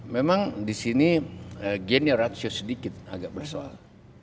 memang di sini generasio sedikit agak bersoal